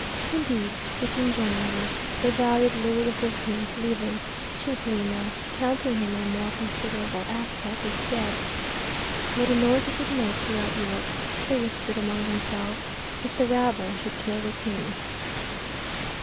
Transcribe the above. Indeed, speaking generally, they valued Louis XVI, living, cheaply enough, counting him a more considerable asset if dead. "What a noise it would make throughout Europe," they whispered among themselves, "if the rabble should kill the King."